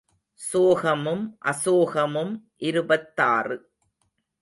சோகமும் அசோகமும் இருபத்தாறு.